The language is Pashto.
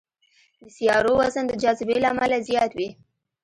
د سیارو وزن د جاذبې له امله زیات وي.